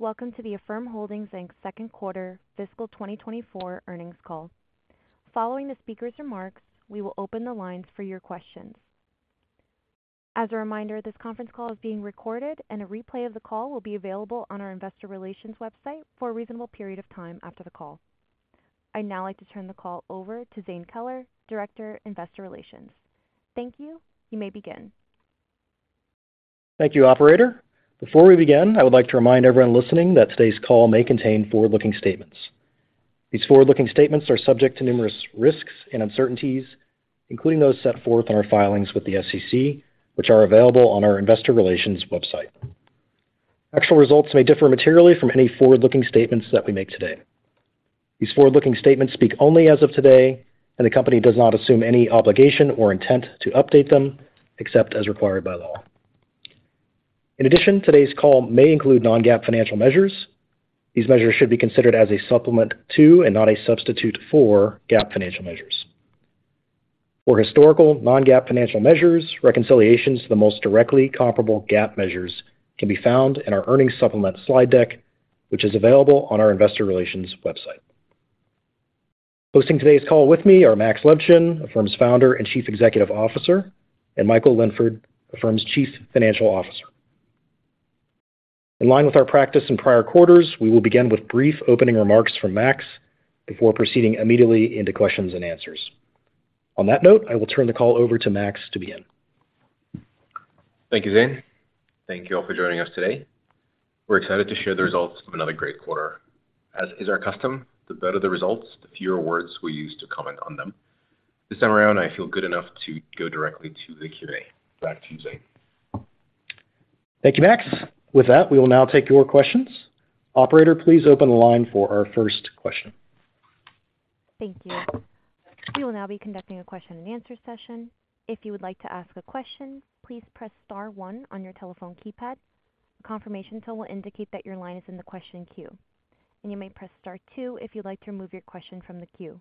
Welcome to the Affirm Holdings, Inc. second quarter fiscal 2024 earnings call. Following the speaker's remarks, we will open the lines for your questions. As a reminder, this conference call is being recorded, and a replay of the call will be available on our investor relations website for a reasonable period of time after the call. I'd now like to turn the call over to Zane Keller, Director, Investor Relations. Thank you. You may begin. Thank you, Operator. Before we begin, I would like to remind everyone listening that today's call may contain forward-looking statements. These forward-looking statements are subject to numerous risks and uncertainties, including those set forth in our filings with the SEC, which are available on our investor relations website. Actual results may differ materially from any forward-looking statements that we make today. These forward-looking statements speak only as of today, and the company does not assume any obligation or intent to update them except as required by law. In addition, today's call may include non-GAAP financial measures. These measures should be considered as a supplement to and not a substitute for GAAP financial measures. For historical non-GAAP financial measures, reconciliations to the most directly comparable GAAP measures can be found in our earnings supplement slide deck, which is available on our investor relations website. Hosting today's call with me are Max Levchin, Affirm's Founder and Chief Executive Officer, and Michael Linford, Affirm's Chief Financial Officer. In line with our practice in prior quarters, we will begin with brief opening remarks from Max before proceeding immediately into questions and answers. On that note, I will turn the call over to Max to begin. Thank you, Zane. Thank you all for joining us today. We're excited to share the results of another great quarter. As is our custom, the better the results, the fewer words we use to comment on them. This time around, I feel good enough to go directly to the Q&A. Back to you, Zane. Thank you, Max. With that, we will now take your questions. Operator, please open the line for our first question. Thank you. We will now be conducting a question and answer session. If you would like to ask a question, please press star 1 on your telephone keypad. A confirmation tone will indicate that your line is in the question queue, and you may press star 2 if you'd like to remove your question from the queue.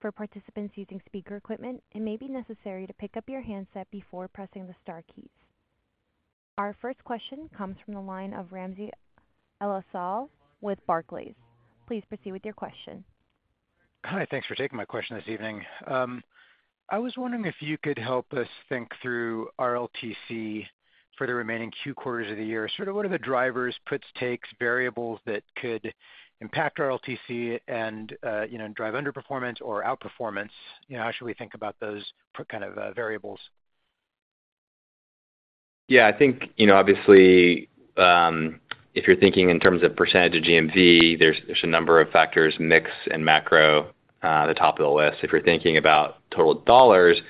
For participants using speaker equipment, it may be necessary to pick up your handset before pressing the star keys. Our first question comes from the line of Ramsey El-Assal with Barclays. Please proceed with your question. Hi. Thanks for taking my question this evening. I was wondering if you could help us think through RLTC for the remaining two quarters of the year. Sort of what are the drivers, puts, takes, variables that could impact RLTC and drive underperformance or outperformance? How should we think about those kind of variables? Yeah. I think, obviously, if you're thinking in terms of percentage of GMV, there's a number of factors, mix and macro, at the top of the list. If you're thinking about total dollars,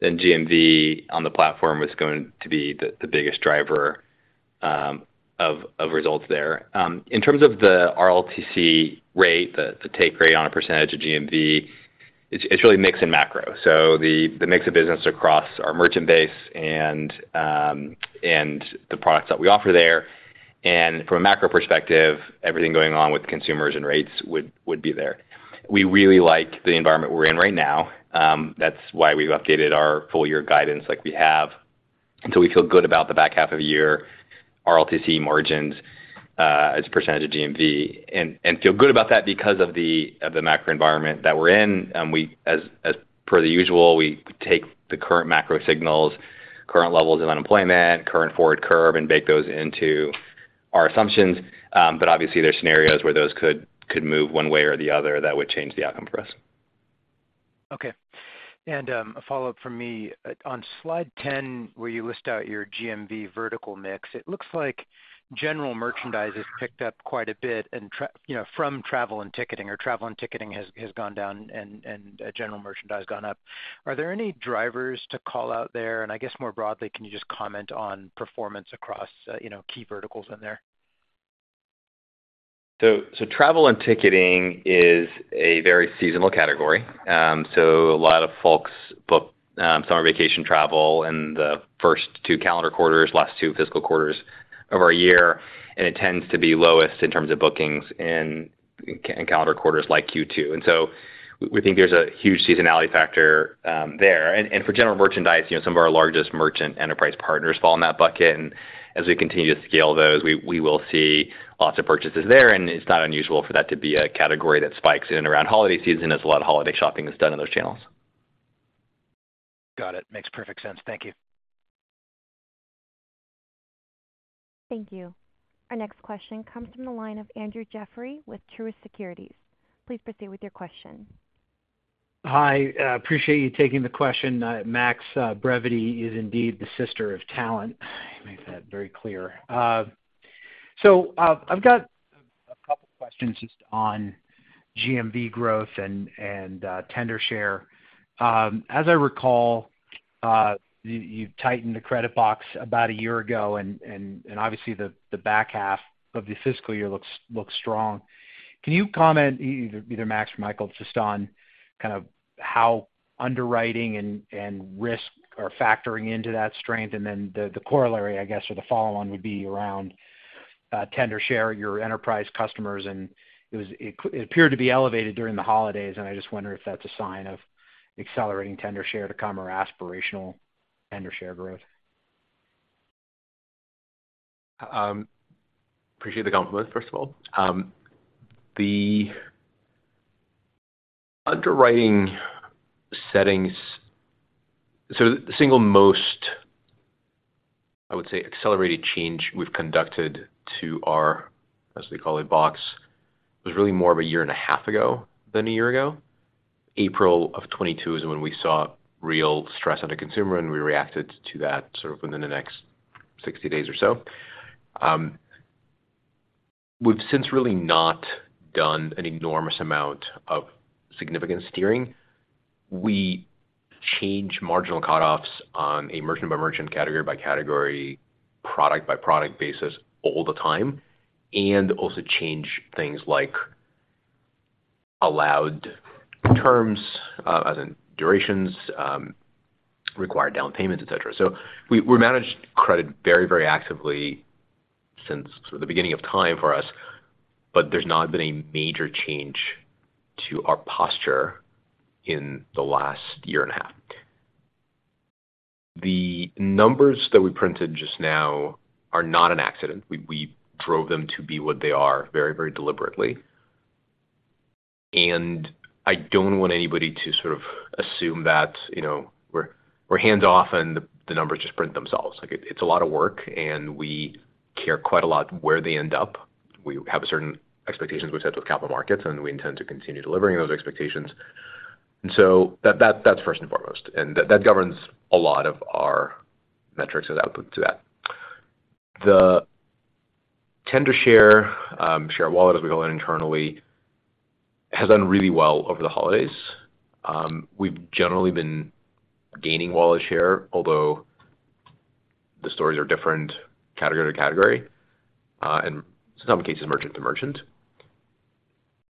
then GMV on the platform was going to be the biggest driver of results there. In terms of the RLTC rate, the take rate on a percentage of GMV, it's really mix and macro. So the mix of business across our merchant base and the products that we offer there. And from a macro perspective, everything going on with consumers and rates would be there. We really like the environment we're in right now. That's why we've updated our full-year guidance like we have. And so we feel good about the back half of the year, RLTC margins as a percentage of GMV, and feel good about that because of the macro environment that we're in. As per the usual, we take the current macro signals, current levels of unemployment, current forward curve, and make those into our assumptions. But obviously, there's scenarios where those could move one way or the other that would change the outcome for us. Okay. A follow-up from me. On slide 10, where you list out your GMV vertical mix, it looks like general merchandise has picked up quite a bit from travel and ticketing. Or travel and ticketing has gone down and general merchandise gone up. Are there any drivers to call out there? I guess more broadly, can you just comment on performance across key verticals in there? Travel and ticketing is a very seasonal category. A lot of folks book summer vacation travel in the first two calendar quarters, last two fiscal quarters of our year. It tends to be lowest in terms of bookings in calendar quarters like Q2. We think there's a huge seasonality factor there. For general merchandise, some of our largest merchant enterprise partners fall in that bucket. As we continue to scale those, we will see lots of purchases there. It's not unusual for that to be a category that spikes in and around holiday season as a lot of holiday shopping is done in those channels. Got it. Makes perfect sense. Thank you. Thank you. Our next question comes from the line of Andrew Jeffrey with Truist Securities. Please proceed with your question. Hi. Appreciate you taking the question. Max, brevity is indeed the sister of talent. He makes that very clear. So I've got a couple of questions just on GMV growth and tender share. As I recall, you've tightened the credit box about a year ago. And obviously, the back half of the fiscal year looks strong. Can you comment, either Max or Michael, just on kind of how underwriting and risk are factoring into that strength? And then the corollary, I guess, or the follow-on would be around tender share, your enterprise customers. And it appeared to be elevated during the holidays. And I just wonder if that's a sign of accelerating tender share to come or aspirational tender share growth. Appreciate the comment, first of all. The underwriting settings so the single most, I would say, accelerated change we've conducted to our, as they call it, box was really more of a year and a half ago than a year ago. April of 2022 is when we saw real stress on the consumer. We reacted to that sort of within the next 60 days or so. We've since really not done an enormous amount of significant steering. We change marginal cutoffs on a merchant-by-merchant, category-by-category, product-by-product basis all the time and also change things like allowed terms, as in durations, required down payments, etc. We've managed credit very, very actively since sort of the beginning of time for us. There's not been a major change to our posture in the last year and a half. The numbers that we printed just now are not an accident. We drove them to be what they are very, very deliberately. I don't want anybody to sort of assume that we're hands-off and the numbers just print themselves. It's a lot of work. We care quite a lot where they end up. We have certain expectations we've set with capital markets. We intend to continue delivering those expectations. So that's first and foremost. That governs a lot of our metrics as output to that. The tender share, share of wallet as we call it internally, has done really well over the holidays. We've generally been gaining wallet share, although the stories are different category to category and in some cases, merchant to merchant.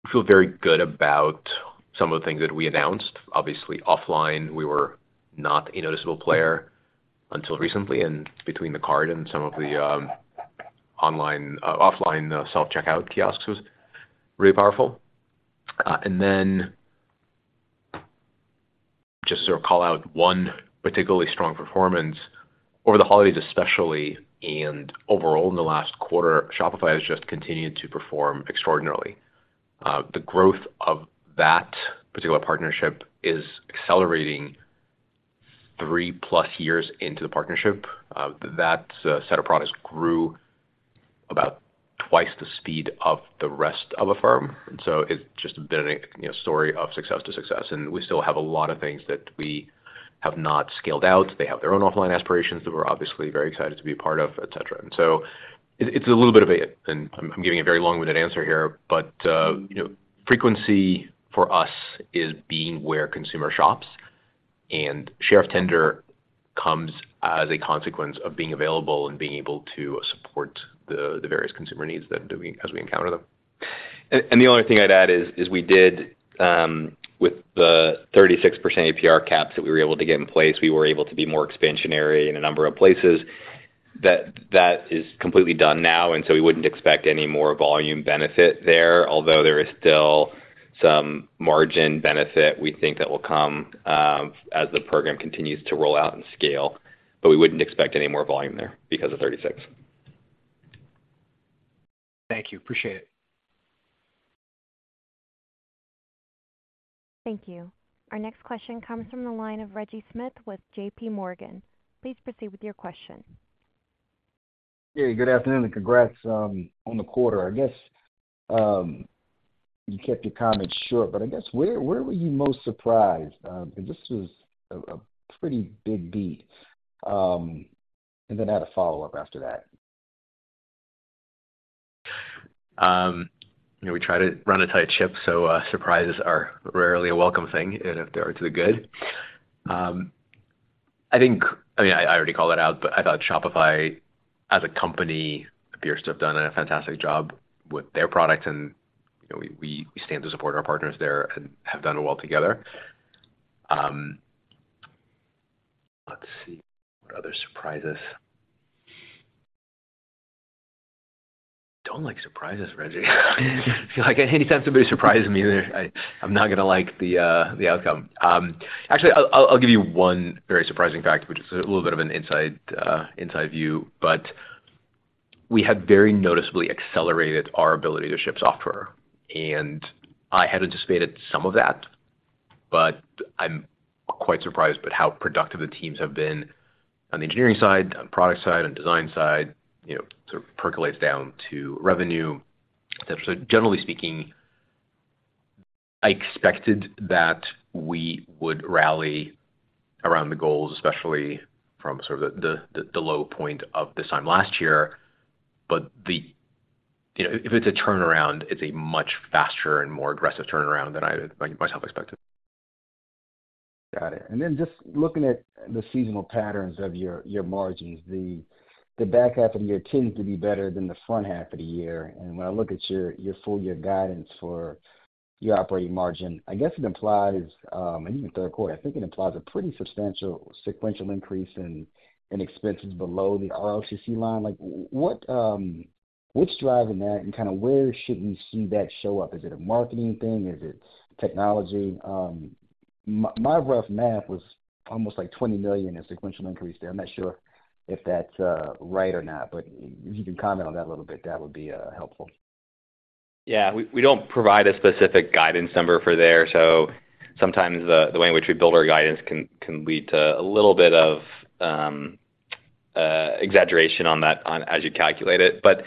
We feel very good about some of the things that we announced. Obviously, offline, we were not a noticeable player until recently. And between the card and some of the offline self-checkout kiosks was really powerful. And then just to sort of call out one particularly strong performance, over the holidays especially and overall in the last quarter, Shopify has just continued to perform extraordinarily. The growth of that particular partnership is accelerating 3+ years into the partnership. That set of products grew about twice the speed of the rest of Affirm. And so it's just been a story of success to success. And we still have a lot of things that we have not scaled out. They have their own offline aspirations that we're obviously very excited to be a part of, etc. And so it's a little bit of a and I'm giving a very long-winded answer here. But frequency for us is being where consumer shops. Share of tender comes as a consequence of being available and being able to support the various consumer needs as we encounter them. The only thing I'd add is we did with the 36% APR caps that we were able to get in place, we were able to be more expansionary in a number of places. That is completely done now. So we wouldn't expect any more volume benefit there, although there is still some margin benefit we think that will come as the program continues to roll out and scale. But we wouldn't expect any more volume there because of 36. Thank you. Appreciate it. Thank you. Our next question comes from the line of Reggie Smith with JP Morgan. Please proceed with your question. Hey. Good afternoon and congrats on the quarter. I guess you kept your comments short. But I guess where were you most surprised? Because this was a pretty big beat. And then add a follow-up after that. We try to run a tight ship. So surprises are rarely a welcome thing if they are to the good. I mean, I already called it out. But I thought Shopify as a company appears to have done a fantastic job with their products. And we stand to support our partners there and have done well together. Let's see. What other surprises? Don't like surprises, Reggie. I feel like anytime somebody surprises me there, I'm not going to like the outcome. Actually, I'll give you one very surprising fact, which is a little bit of an inside view. But we have very noticeably accelerated our ability to ship software. And I had anticipated some of that. But I'm quite surprised by how productive the teams have been on the engineering side, on the product side, on the design side. Sort of percolates down to revenue, etc. Generally speaking, I expected that we would rally around the goals, especially from sort of the low point of this time last year. But if it's a turnaround, it's a much faster and more aggressive turnaround than I myself expected. Got it. And then just looking at the seasonal patterns of your margins, the back half of the year tends to be better than the front half of the year. And when I look at your full-year guidance for your operating margin, I guess it implies and even third quarter, I think it implies a pretty substantial sequential increase in expenses below the RLTC line. What's driving that? And kind of where should we see that show up? Is it a marketing thing? Is it technology? My rough math was almost like $20 million in sequential increase there. I'm not sure if that's right or not. But if you can comment on that a little bit, that would be helpful. Yeah. We don't provide a specific guidance number for there. So sometimes the way in which we build our guidance can lead to a little bit of exaggeration on that as you calculate it. But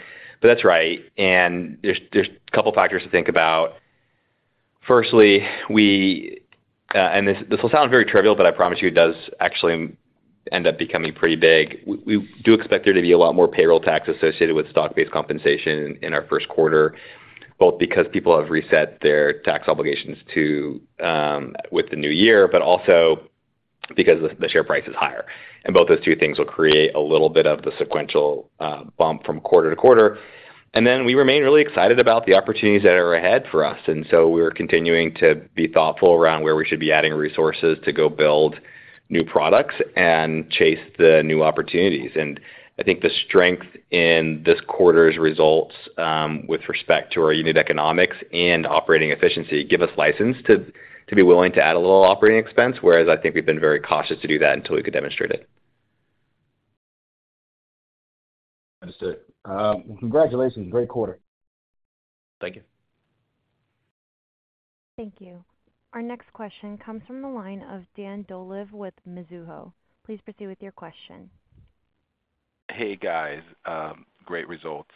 that's right. There's a couple of factors to think about. Firstly, we and this will sound very trivial, but I promise you it does actually end up becoming pretty big. We do expect there to be a lot more payroll tax associated with stock-based compensation in our first quarter, both because people have reset their tax obligations with the new year, but also because the share price is higher. And both those two things will create a little bit of the sequential bump from quarter to quarter. And then we remain really excited about the opportunities that are ahead for us. And so we're continuing to be thoughtful around where we should be adding resources to go build new products and chase the new opportunities. And I think the strength in this quarter's results with respect to our unit economics and operating efficiency give us license to be willing to add a little operating expense, whereas I think we've been very cautious to do that until we could demonstrate it. Understood. Well, congratulations. Great quarter. Thank you. Thank you. Our next question comes from the line of Dan Dolev with Mizuho. Please proceed with your question. Hey, guys. Great results.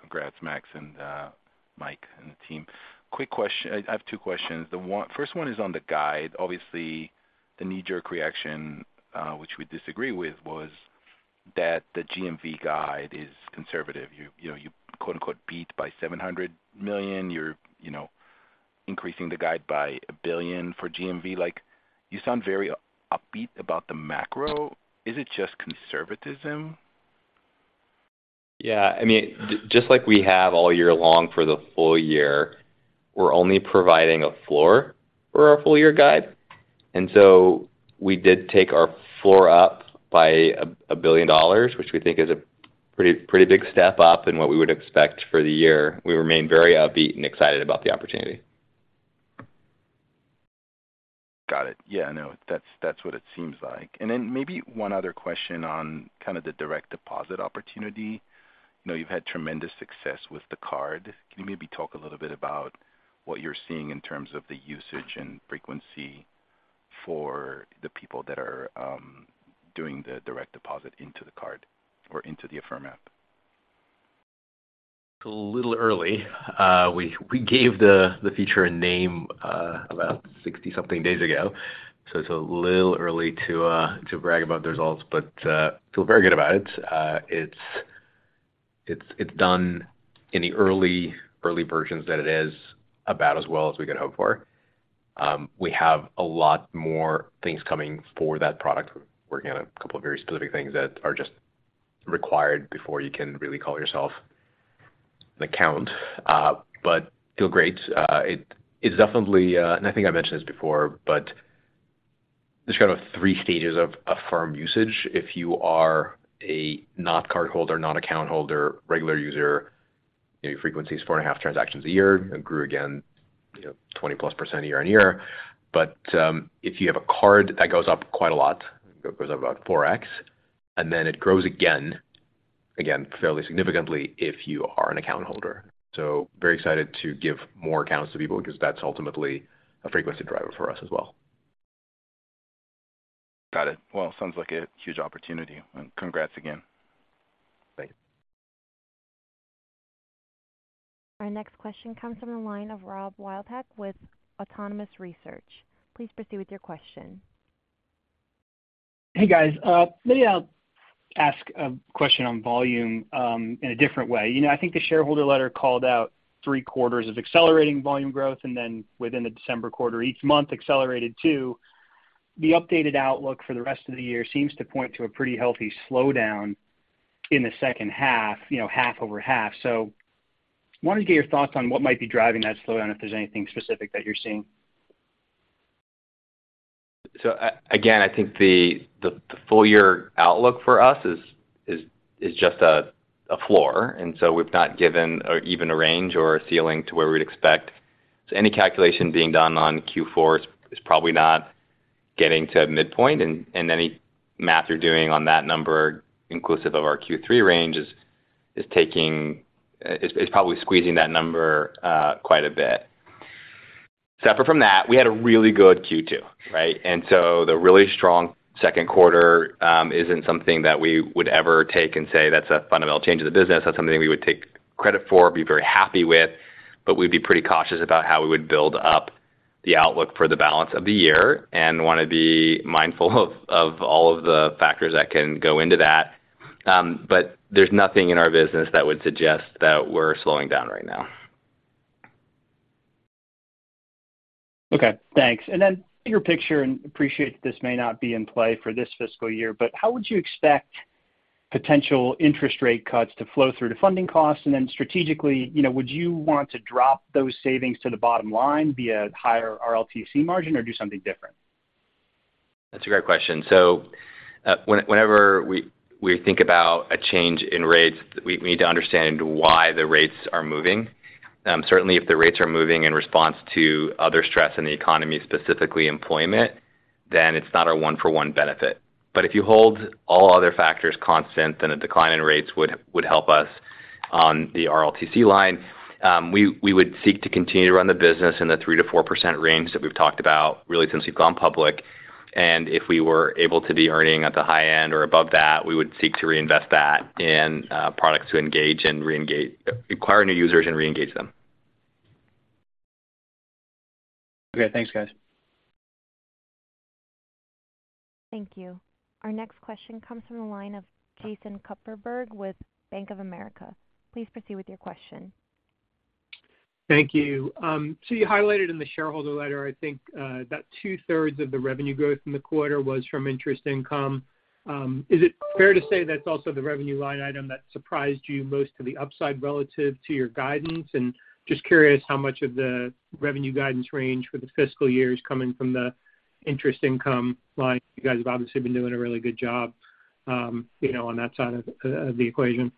Congrats, Max and Mike and the team. I have two questions. The first one is on the guide. Obviously, the knee-jerk reaction, which we disagree with, was that the GMV guide is conservative. You "beat" by $700 million. You're increasing the guide by $1 billion for GMV. You sound very upbeat about the macro. Is it just conservatism? Yeah. I mean, just like we have all year long for the full year, we're only providing a floor for our full-year guide. And so we did take our floor up by $1 billion, which we think is a pretty big step up in what we would expect for the year. We remain very upbeat and excited about the opportunity. Got it. Yeah. No. That's what it seems like. And then maybe one other question on kind of the direct deposit opportunity. You've had tremendous success with the card. Can you maybe talk a little bit about what you're seeing in terms of the usage and frequency for the people that are doing the direct deposit into the card or into the Affirm app? It's a little early. We gave the feature a name about 60-something days ago. So it's a little early to brag about the results. But I feel very good about it. It's done in the early versions that it is about as well as we could hope for. We have a lot more things coming for that product. We're working on a couple of very specific things that are just required before you can really call yourself an account. But feel great. It's definitely and I think I mentioned this before. But there's kind of 3 stages of Affirm usage. If you are a not cardholder, not account holder, regular user, your frequency is 4.5 transactions a year. It grew again 20%+ year-on-year. But if you have a card that goes up quite a lot, it goes up about 4x. Then it grows again, again, fairly significantly if you are an account holder. Very excited to give more accounts to people because that's ultimately a frequency driver for us as well. Got it. Well, it sounds like a huge opportunity. And congrats again. Thank you. Our next question comes from the line of Rob Wildhack with Autonomous Research. Please proceed with your question. Hey, guys. Maybe I'll ask a question on volume in a different way. I think the shareholder letter called out three quarters of accelerating volume growth. And then within the December quarter, each month accelerated too. The updated outlook for the rest of the year seems to point to a pretty healthy slowdown in the second half, half over half. So I wanted to get your thoughts on what might be driving that slowdown, if there's anything specific that you're seeing. Again, I think the full-year outlook for us is just a floor. We've not given even a range or a ceiling to where we'd expect. Any calculation being done on Q4 is probably not getting to midpoint. Any Math you're doing on that number, inclusive of our Q3 range, is probably squeezing that number quite a bit. Separate from that, we had a really good Q2, right? The really strong second quarter isn't something that we would ever take and say, "That's a fundamental change in the business. That's something we would take credit for, be very happy with." We'd be pretty cautious about how we would build up the outlook for the balance of the year and want to be mindful of all of the factors that can go into that. But there's nothing in our business that would suggest that we're slowing down right now. Okay. Thanks. And then, bigger picture, and appreciate that this may not be in play for this fiscal year. But how would you expect potential interest rate cuts to flow through to funding costs? And then, strategically, would you want to drop those savings to the bottom line via higher RLTC margin or do something different? That's a great question. So whenever we think about a change in rates, we need to understand why the rates are moving. Certainly, if the rates are moving in response to other stress in the economy, specifically employment, then it's not our one-for-one benefit. But if you hold all other factors constant, then a decline in rates would help us on the RLTC line. We would seek to continue to run the business in the 3%-4% range that we've talked about really since we've gone public. And if we were able to be earning at the high end or above that, we would seek to reinvest that in products to acquire new users and reengage them. Okay. Thanks, guys. Thank you. Our next question comes from the line of Jason Kupferberg with Bank of America. Please proceed with your question. Thank you. So you highlighted in the shareholder letter, I think, that two-thirds of the revenue growth in the quarter was from interest income. Is it fair to say that's also the revenue line item that surprised you most to the upside relative to your guidance? And just curious how much of the revenue guidance range for the fiscal year is coming from the interest income line. You guys have obviously been doing a really good job on that side of the equation.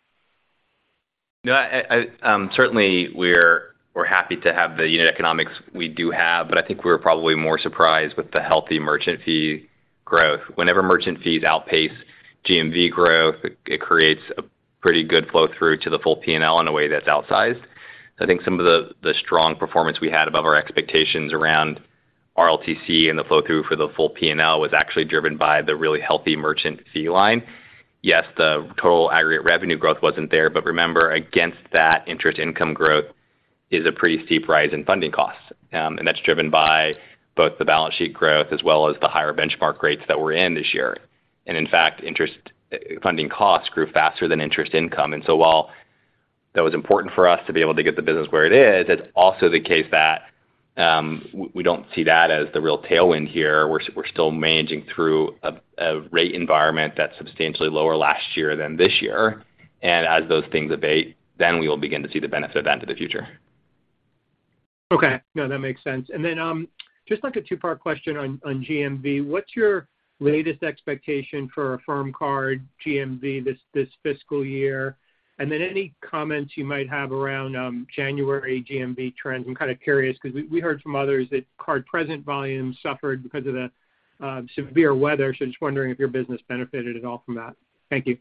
No. Certainly, we're happy to have the unit economics we do have. But I think we were probably more surprised with the healthy merchant fee growth. Whenever merchant fees outpace GMV growth, it creates a pretty good flow-through to the full P&L in a way that's outsized. So I think some of the strong performance we had above our expectations around RLTC and the flow-through for the full P&L was actually driven by the really healthy merchant fee line. Yes, the total aggregate revenue growth wasn't there. But remember, against that, interest income growth is a pretty steep rise in funding costs. And that's driven by both the balance sheet growth as well as the higher benchmark rates that we're in this year. And in fact, funding costs grew faster than interest income. And so while that was important for us to be able to get the business where it is, it's also the case that we don't see that as the real tailwind here. We're still managing through a rate environment that's substantially lower last year than this year. And as those things abate, then we will begin to see the benefit of that into the future. Okay. No. That makes sense. And then just like a two-part question on GMV, what's your latest expectation for Affirm Card GMV this fiscal year? And then any comments you might have around January GMV trends? I'm kind of curious because we heard from others that card present volume suffered because of the severe weather. So just wondering if your business benefited at all from that. Thank you.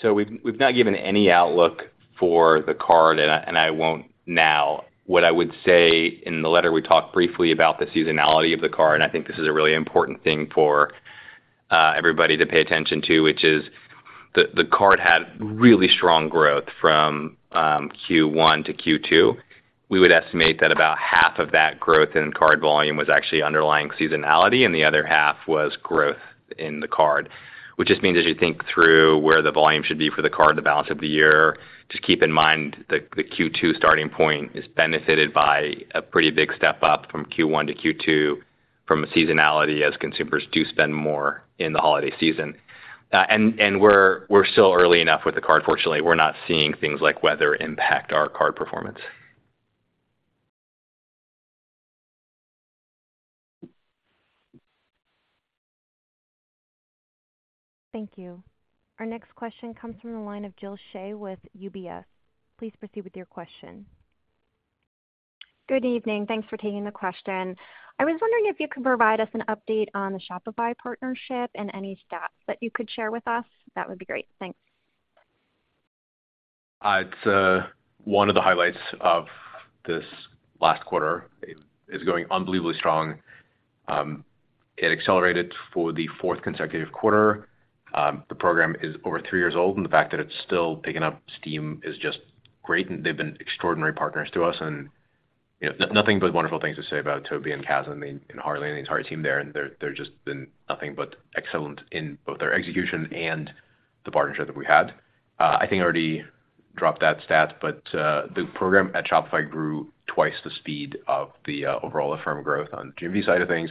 So we've not given any outlook for the card. And I won't now. What I would say in the letter, we talked briefly about the seasonality of the card. And I think this is a really important thing for everybody to pay attention to, which is the card had really strong growth from Q1 to Q2. We would estimate that about half of that growth in card volume was actually underlying seasonality. And the other half was growth in the card, which just means as you think through where the volume should be for the card in the balance of the year, just keep in mind the Q2 starting point is benefited by a pretty big step up from Q1 to Q2 from seasonality as consumers do spend more in the holiday season. And we're still early enough with the card, fortunately. We're not seeing things like weather impact our card performance. Thank you. Our next question comes from the line of Jill Shea with UBS. Please proceed with your question. Good evening. Thanks for taking the question. I was wondering if you could provide us an update on the Shopify partnership and any stats that you could share with us? That would be great. Thanks. It's one of the highlights of this last quarter. It's going unbelievably strong. It accelerated for the fourth consecutive quarter. The program is over three years old. The fact that it's still picking up steam is just great. They've been extraordinary partners to us. Nothing but wonderful things to say about Tobi and Kaz and Harley and his hard team there. They've just been nothing but excellent in both their execution and the partnership that we had. I think I already dropped that stat. The program at Shopify grew twice the speed of the overall Affirm growth on the GMV side of things.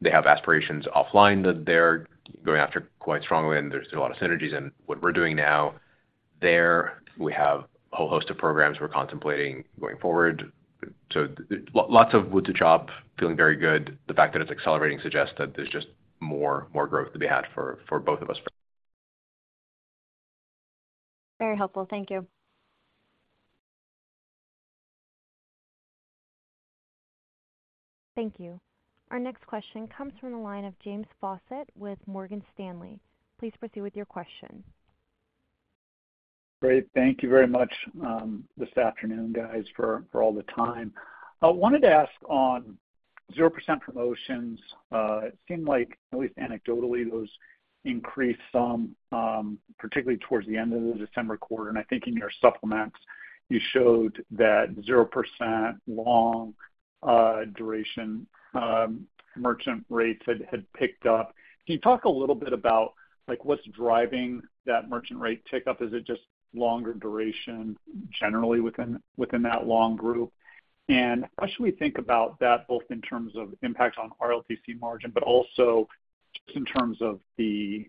They have aspirations offline that they're going after quite strongly. There's a lot of synergies in what we're doing now there. We have a whole host of programs we're contemplating going forward. Lots of wood to chop, feeling very good. The fact that it's accelerating suggests that there's just more growth to be had for both of us. Very helpful. Thank you. Thank you. Our next question comes from the line of James Faucette with Morgan Stanley. Please proceed with your question. Great. Thank you very much this afternoon, guys, for all the time. I wanted to ask on 0% promotions. It seemed like, at least anecdotally, those increased some, particularly towards the end of the December quarter. I think in your supplements, you showed that 0% long-duration merchant rates had picked up. Can you talk a little bit about what's driving that merchant rate tick-up? Is it just longer duration generally within that long group? And how should we think about that both in terms of impact on RLTC margin but also just in terms of the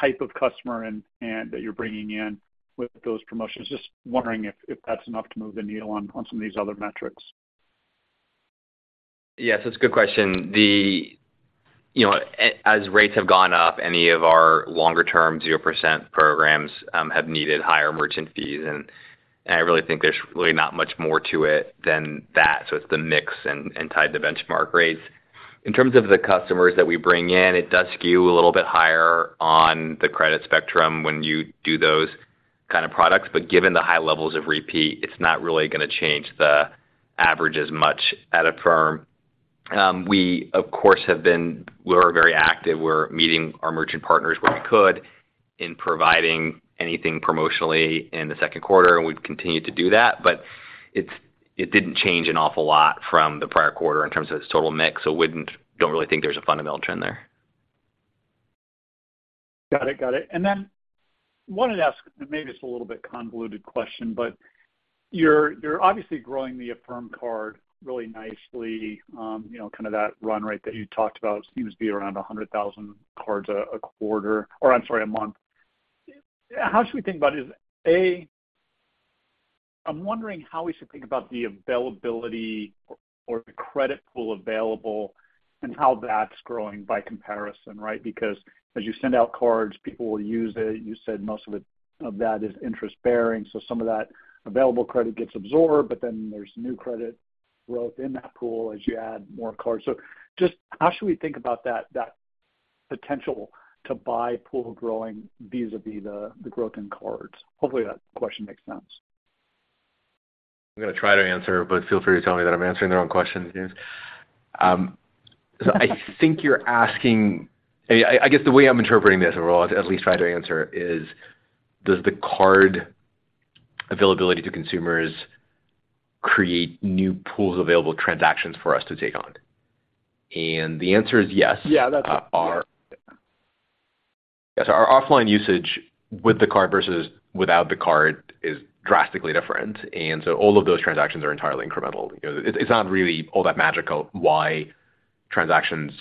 type of customer that you're bringing in with those promotions? Just wondering if that's enough to move the needle on some of these other metrics. Yes. That's a good question. As rates have gone up, any of our longer-term 0% programs have needed higher merchant fees. I really think there's really not much more to it than that. It's the mix and tied to benchmark rates. In terms of the customers that we bring in, it does skew a little bit higher on the credit spectrum when you do those kind of products. Given the high levels of repeat, it's not really going to change the average as much at Affirm. We, of course, have been very active. We're meeting our merchant partners where we could in providing anything promotionally in the second quarter. We'd continue to do that. It didn't change an awful lot from the prior quarter in terms of its total mix. I don't really think there's a fundamental trend there. Got it. Got it. And then I wanted to ask maybe it's a little bit convoluted question. But you're obviously growing the Affirm Card really nicely. Kind of that run rate that you talked about seems to be around 100,000 cards a quarter or, I'm sorry, a month. How should we think about it? A, I'm wondering how we should think about the availability or the credit pool available and how that's growing by comparison, right? Because as you send out cards, people will use it. You said most of that is interest-bearing. So some of that available credit gets absorbed. But then there's new credit growth in that pool as you add more cards. So just how should we think about that potential to buy pool growing vis-à-vis the growth in cards? Hopefully, that question makes sense. I'm going to try to answer. But feel free to tell me that I'm answering the wrong question, James. So I think you're asking I mean, I guess the way I'm interpreting this or I'll at least try to answer is, does the card availability to consumers create new pools of available transactions for us to take on? And the answer is yes. Yeah. That's a good question. Yes. Our offline usage with the card versus without the card is drastically different. And so all of those transactions are entirely incremental. It's not really all that magical why transactions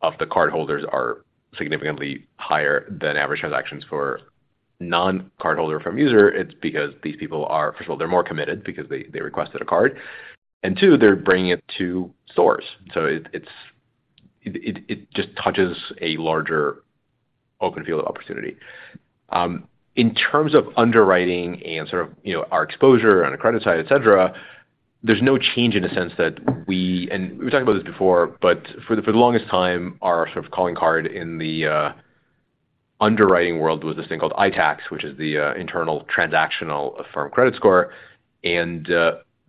of the cardholders are significantly higher than average transactions for non-cardholder Affirm user. It's because these people are first of all, they're more committed because they requested a card. And two, they're bringing it to stores. So it just touches a larger open field of opportunity. In terms of underwriting and sort of our exposure on the credit side, etc., there's no change in the sense that we and we've talked about this before. But for the longest time, our sort of calling card in the underwriting world was this thing called ITACS, which is the Internal Transactional Affirm Credit Score. And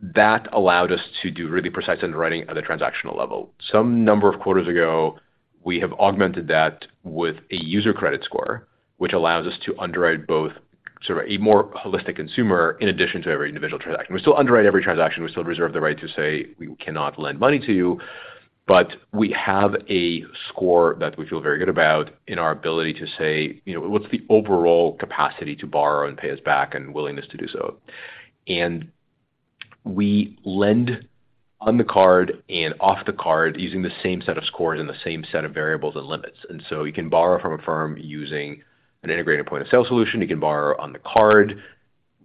that allowed us to do really precise underwriting at the transactional level. Some number of quarters ago, we have augmented that with a user credit score, which allows us to underwrite both sort of a more holistic consumer in addition to every individual transaction. We still underwrite every transaction. We still reserve the right to say, "We cannot lend money to you." But we have a score that we feel very good about in our ability to say, "What's the overall capacity to borrow and pay us back and willingness to do so?" And we lend on the card and off the card using the same set of scores and the same set of variables and limits. And so you can borrow from Affirm using an integrated point-of-sale solution. You can borrow on the card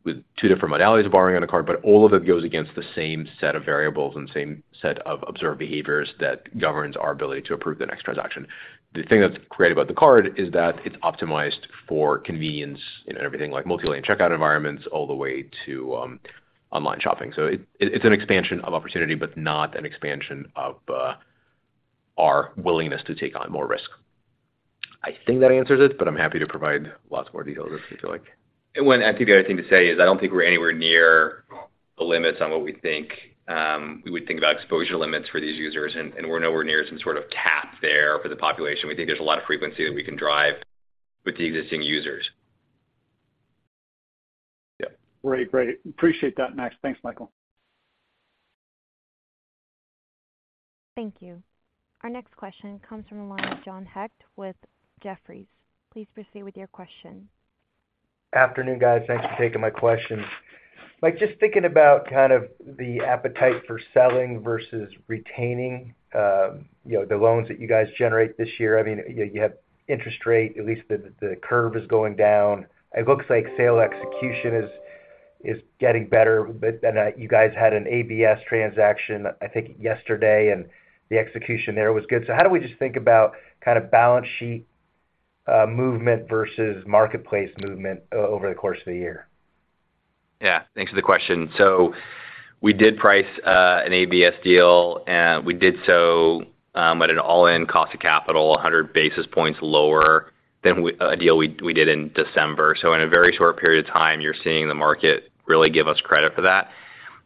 with two different modalities of borrowing on the card. But all of it goes against the same set of variables and same set of observed behaviors that governs our ability to approve the next transaction. The thing that's great about the card is that it's optimized for convenience in everything like multi-layer checkout environments all the way to online shopping. So it's an expansion of opportunity but not an expansion of our willingness to take on more risk. I think that answers it. But I'm happy to provide lots more details if you feel like. I think the other thing to say is I don't think we're anywhere near the limits on what we think we would think about exposure limits for these users. We're nowhere near some sort of cap there for the population. We think there's a lot of frequency that we can drive with the existing users. Yep. Great. Great. Appreciate that, Max. Thanks, Michael. Thank you. Our next question comes from the line of John Hecht with Jefferies. Please proceed with your question. Afternoon, guys. Thanks for taking my question. Just thinking about kind of the appetite for selling versus retaining the loans that you guys generate this year. I mean, you have interest rate. At least the curve is going down. It looks like sale execution is getting better. You guys had an ABS transaction, I think, yesterday. The execution there was good. So how do we just think about kind of balance sheet movement versus marketplace movement over the course of the year? Yeah. Thanks for the question. So we did price an ABS deal. And we did so at an all-in cost of capital 100 basis points lower than a deal we did in December. So in a very short period of time, you're seeing the market really give us credit for that.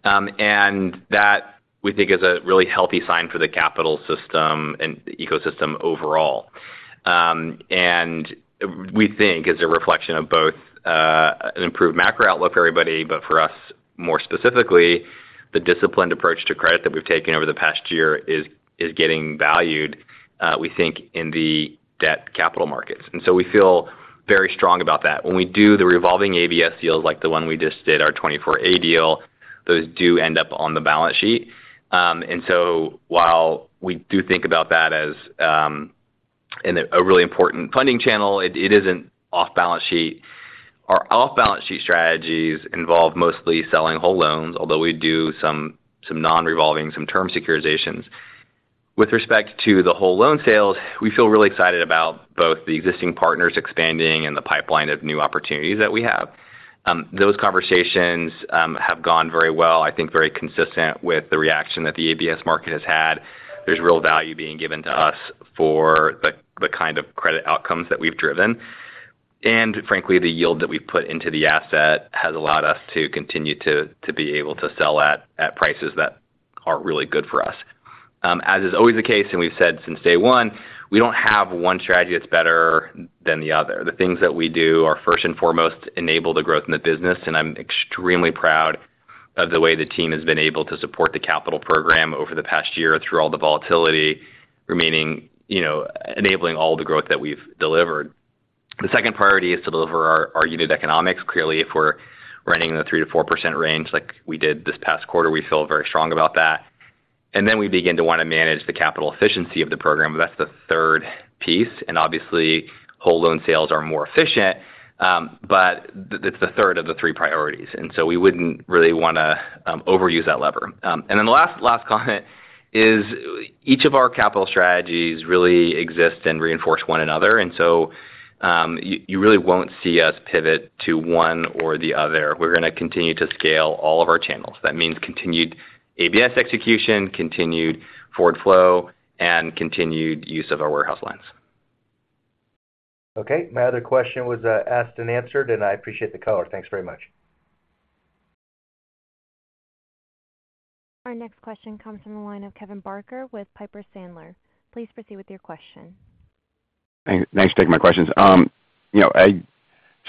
And that, we think, is a really healthy sign for the capital system and ecosystem overall. And we think it's a reflection of both an improved macro outlook for everybody. But for us more specifically, the disciplined approach to credit that we've taken over the past year is getting valued, we think, in the debt capital markets. And so we feel very strong about that. When we do the revolving ABS deals like the one we just did, our 24A deal, those do end up on the balance sheet. And so while we do think about that as a really important funding channel, it isn't off-balance sheet. Our off-balance sheet strategies involve mostly selling whole loans, although we do some non-revolving, some term securitizations. With respect to the whole loan sales, we feel really excited about both the existing partners expanding and the pipeline of new opportunities that we have. Those conversations have gone very well, I think, very consistent with the reaction that the ABS market has had. There's real value being given to us for the kind of credit outcomes that we've driven. And frankly, the yield that we've put into the asset has allowed us to continue to be able to sell at prices that are really good for us. As is always the case - and we've said since day one - we don't have one strategy that's better than the other. The things that we do are, first and foremost, enable the growth in the business. I'm extremely proud of the way the team has been able to support the capital program over the past year through all the volatility, enabling all the growth that we've delivered. The second priority is to deliver our unit economics. Clearly, if we're running in the 3%-4% range like we did this past quarter, we feel very strong about that. Then we begin to want to manage the capital efficiency of the program. That's the third piece. Obviously, whole loan sales are more efficient. It's the third of the three priorities. So we wouldn't really want to overuse that lever. Then the last comment is each of our capital strategies really exist and reinforce one another. So you really won't see us pivot to one or the other. We're going to continue to scale all of our channels. That means continued ABS execution, continued forward flow, and continued use of our warehouse lines. Okay. My other question was asked and answered. I appreciate the color. Thanks very much. Our next question comes from the line of Kevin Barker with Piper Sandler. Please proceed with your question. Thanks for taking my questions.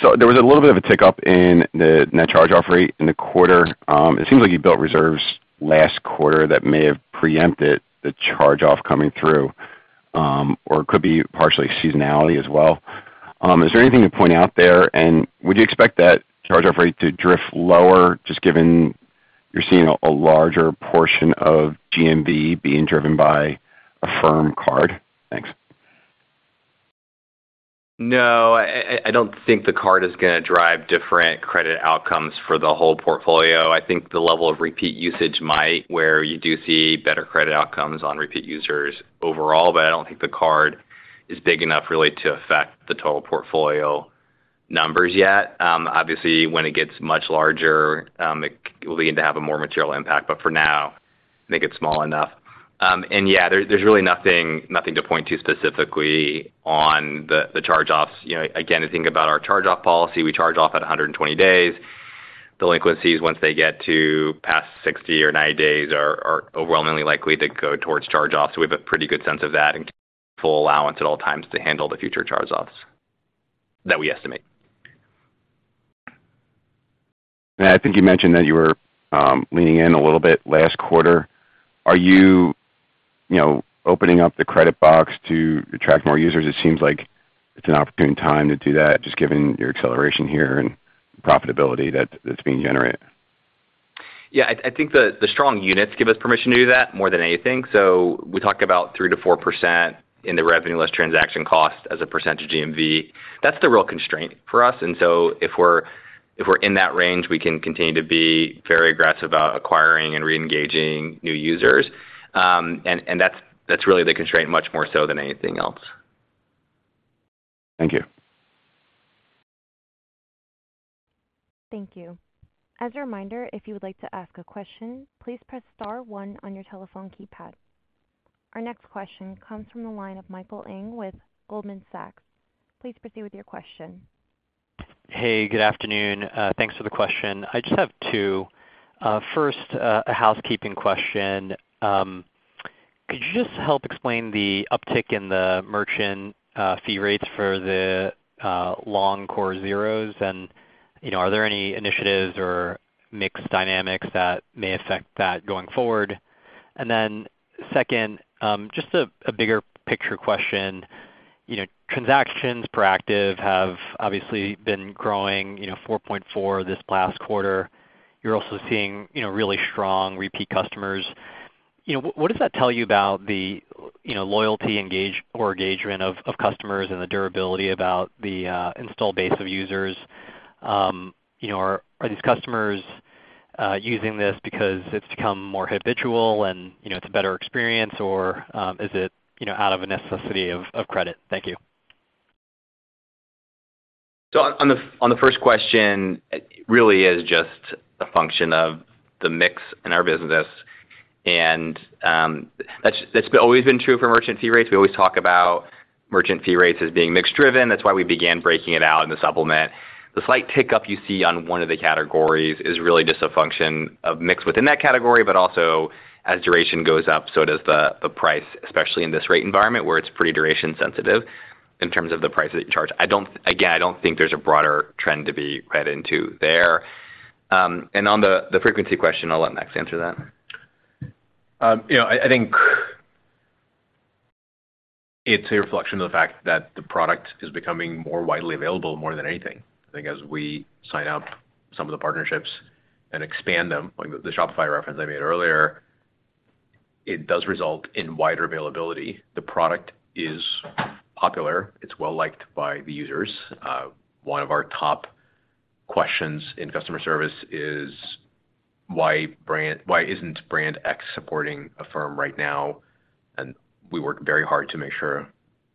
So there was a little bit of a tick-up in that charge-off rate in the quarter. It seems like you built reserves last quarter that may have preempted the charge-off coming through. Or it could be partially seasonality as well. Is there anything to point out there? And would you expect that charge-off rate to drift lower just given you're seeing a larger portion of GMV being driven by Affirm Card? Thanks. No. I don't think the card is going to drive different credit outcomes for the whole portfolio. I think the level of repeat usage might where you do see better credit outcomes on repeat users overall. But I don't think the card is big enough really to affect the total portfolio numbers yet. Obviously, when it gets much larger, it will begin to have a more material impact. But for now, I think it's small enough. And yeah, there's really nothing to point to specifically on the charge-offs. Again, to think about our charge-off policy, we charge off at 120 days. Delinquencies, once they get to past 60 or 90 days, are overwhelmingly likely to go towards charge-offs. So we have a pretty good sense of that and full allowance at all times to handle the future charge-offs that we estimate. I think you mentioned that you were leaning in a little bit last quarter. Are you opening up the credit box to attract more users? It seems like it's an opportune time to do that just given your acceleration here and profitability that's being generated. Yeah. I think the strong units give us permission to do that more than anything. So we talk about 3%-4% in the Revenue Less Transaction Costs as a percentage GMV. That's the real constraint for us. And so if we're in that range, we can continue to be very aggressive about acquiring and reengaging new users. And that's really the constraint much more so than anything else. Thank you. Thank you. As a reminder, if you would like to ask a question, please press star one on your telephone keypad. Our next question comes from the line of Michael Ng with Goldman Sachs. Please proceed with your question. Hey. Good afternoon. Thanks for the question. I just have two. First, a housekeeping question. Could you just help explain the uptick in the merchant fee rates for the long core zeros? And are there any initiatives or mixed dynamics that may affect that going forward? And then second, just a bigger picture question. Transactions per active have obviously been growing 4.4 this past quarter. You're also seeing really strong repeat customers. What does that tell you about the loyalty or engagement of customers and the durability about the install base of users? Are these customers using this because it's become more habitual and it's a better experience? Or is it out of a necessity of credit? Thank you. On the first question, it really is just a function of the mix in our business. That's always been true for merchant fee rates. We always talk about merchant fee rates as being mix-driven. That's why we began breaking it out in the supplement. The slight tick up you see on one of the categories is really just a function of mix within that category. Also as duration goes up, so does the price, especially in this rate environment where it's pretty duration-sensitive in terms of the prices that you charge. Again, I don't think there's a broader trend to be read into there. On the frequency question, I'll let Max answer that. I think it's a reflection of the fact that the product is becoming more widely available more than anything. I think as we sign up some of the partnerships and expand them, like the Shopify reference I made earlier, it does result in wider availability. The product is popular. It's well-liked by the users. One of our top questions in customer service is, "Why isn't brand X supporting Affirm right now?" And we work very hard to make sure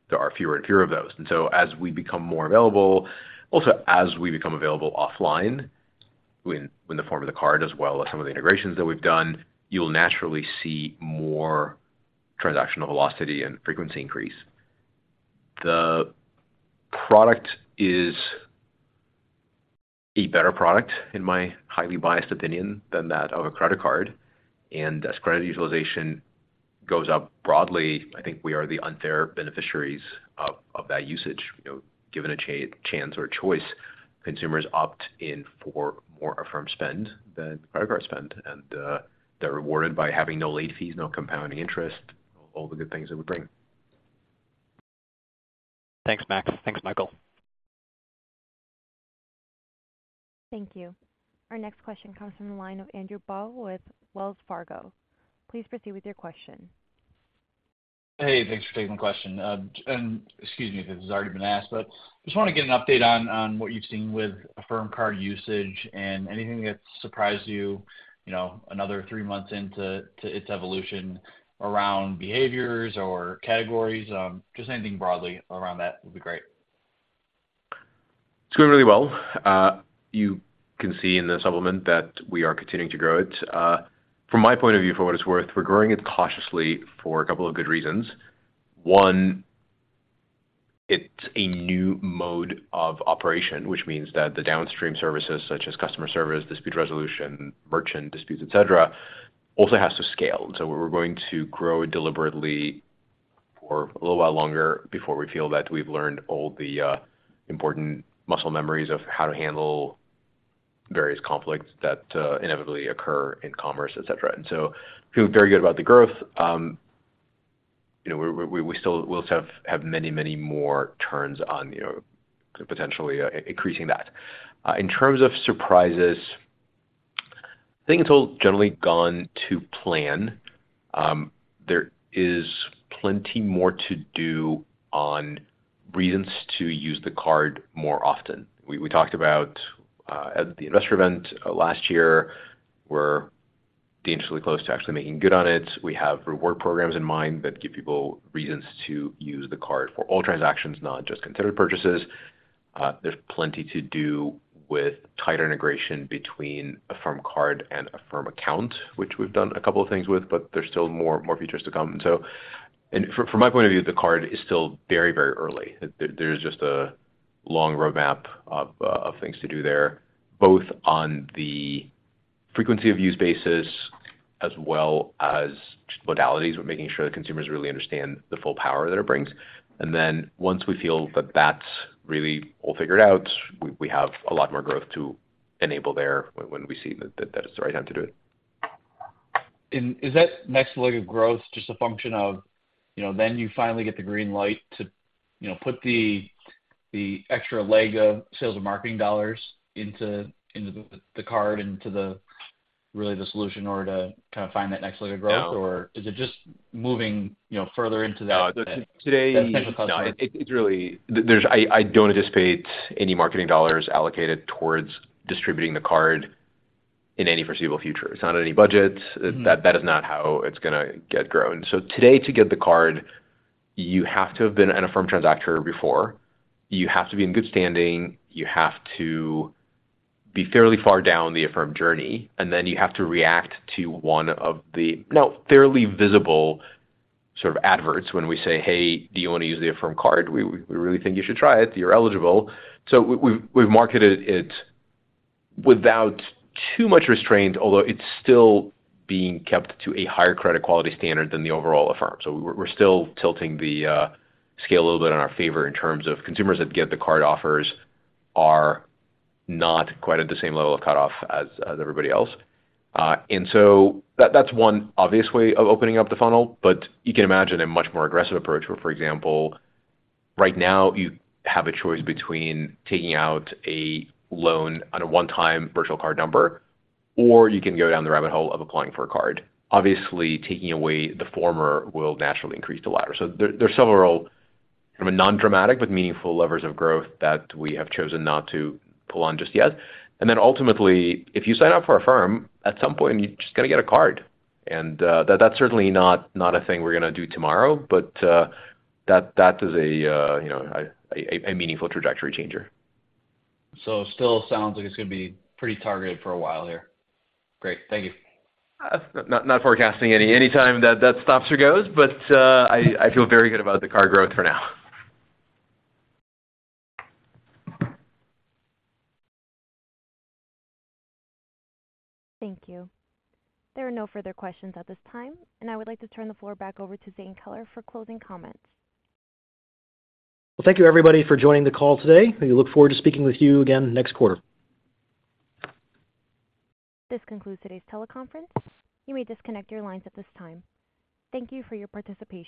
there are fewer and fewer of those. And so as we become more available, also as we become available offline in the form of the card as well as some of the integrations that we've done, you'll naturally see more transactional velocity and frequency increase. The product is a better product in my highly biased opinion than that of a credit card. As credit utilization goes up broadly, I think we are the unfair beneficiaries of that usage. Given a chance or choice, consumers opt in for more Affirm spend than credit card spend. They're rewarded by having no late fees, no compounding interest, all the good things it would bring. Thanks, Max. Thanks, Michael. Thank you. Our next question comes from the line of Andrew Bauch with Wells Fargo. Please proceed with your question. Hey. Thanks for taking the question. Excuse me if this has already been asked. I just want to get an update on what you've seen with Affirm Card usage and anything that's surprised you another three months into its evolution around behaviors or categories. Just anything broadly around that would be great. It's going really well. You can see in the supplement that we are continuing to grow it. From my point of view, for what it's worth, we're growing it cautiously for a couple of good reasons. One, it's a new mode of operation, which means that the downstream services such as customer service, dispute resolution, merchant disputes, etc., also have to scale. And so we're going to grow it deliberately for a little while longer before we feel that we've learned all the important muscle memories of how to handle various conflicts that inevitably occur in commerce, etc. And so I feel very good about the growth. We'll have many, many more turns on potentially increasing that. In terms of surprises, I think it's all generally gone to plan. There is plenty more to do on reasons to use the card more often. We talked about at the investor event last year, we're dangerously close to actually making good on it. We have reward programs in mind that give people reasons to use the card for all transactions, not just considered purchases. There's plenty to do with tighter integration between Affirm Card and Affirm account, which we've done a couple of things with. But there's still more features to come. And so from my point of view, the card is still very, very early. There's just a long roadmap of things to do there, both on the frequency of use basis as well as modalities but making sure that consumers really understand the full power that it brings. And then once we feel that that's really all figured out, we have a lot more growth to enable there when we see that it's the right time to do it. Is that next leg of growth just a function of then you finally get the green light to put the extra leg of sales and marketing dollars into the card and into really the solution in order to kind of find that next leg of growth? Or is it just moving further into that type of customer? No. I don't anticipate any marketing dollars allocated towards distributing the card in any foreseeable future. It's not in any budget. That is not how it's going to get grown. So today, to get the card, you have to have been an Affirm transactor before. You have to be in good standing. You have to be fairly far down the Affirm journey. And then you have to react to one of the now fairly visible sort of adverts when we say, "Hey. Do you want to use the Affirm Card? We really think you should try it. You're eligible." So we've marketed it without too much restraint, although it's still being kept to a higher credit quality standard than the overall Affirm. So we're still tilting the scale a little bit in our favor in terms of consumers that get the card offers are not quite at the same level of cutoff as everybody else. And so that's one obvious way of opening up the funnel. But you can imagine a much more aggressive approach where, for example, right now, you have a choice between taking out a loan on a one-time virtual card number. Or you can go down the rabbit hole of applying for a card. Obviously, taking away the former will naturally increase the latter. So there's several kind of non-dramatic but meaningful levers of growth that we have chosen not to pull on just yet. And then ultimately, if you sign up for Affirm, at some point, you're just going to get a card. And that's certainly not a thing we're going to do tomorrow. But that is a meaningful trajectory changer. Still sounds like it's going to be pretty targeted for a while here. Great. Thank you. Not forecasting any time that that stops or goes. But I feel very good about the card growth for now. Thank you. There are no further questions at this time. I would like to turn the floor back over to Zane Keller for closing comments. Well, thank you, everybody, for joining the call today. We look forward to speaking with you again next quarter. This concludes today's teleconference. You may disconnect your lines at this time. Thank you for your participation.